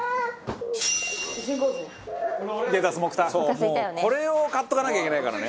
「もうこれを買っておかなきゃいけないからね」